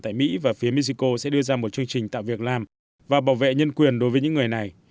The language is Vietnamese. tại mỹ và phía mexico sẽ đưa ra một chương trình tạo việc làm và bảo vệ nhân quyền đối với những người này